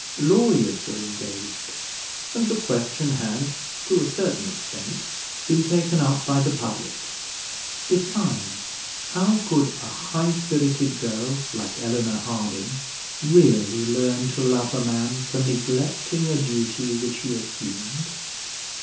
Lawyers were engaged, and the question had to a certain extent been taken up by the public; besides, how could a high spirited girl like Eleanor Harding really learn to love a man for neglecting a duty which he assumed!